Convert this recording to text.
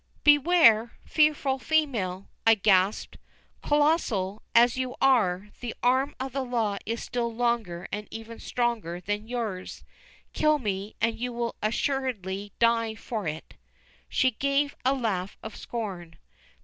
"Beware, fearful female!" I gasped. "Colossal as you are, the arm of the law is still longer and even stronger than yours. Kill me, and you will assuredly die for it!" She gave a laugh of scorn.